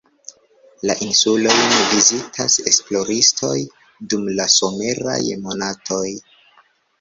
La insulojn vizitas esploristoj, dum la someraj monatoj.